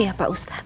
iya pak ustadz